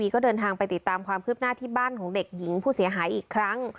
ก็เดินทางไปติดตามความคืบหน้าที่บ้านของเด็กหญิงผู้เสียหายอีกครั้ง